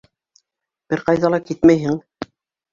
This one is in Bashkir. Бер ҡайҙа ла китмәйһең.